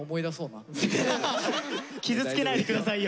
傷つけないで下さいよ。